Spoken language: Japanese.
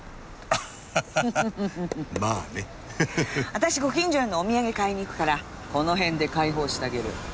私ご近所へのお土産買いに行くからこの辺で解放してあげる。